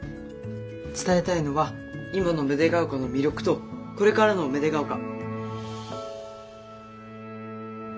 伝えたいのは今の芽出ヶ丘の魅力とこれからの芽出ヶ丘。